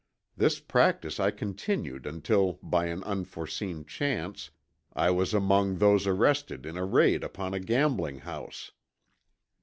This practice I continued until by an unforeseen chance I was among those arrested in a raid upon a gambling house.